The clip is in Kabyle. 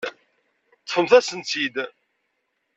Ṭṭfemt-asen-tt-id.